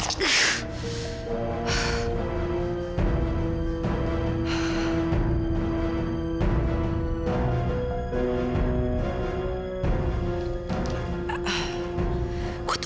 aku tidak tahu apakah dia mesti mati atau hidup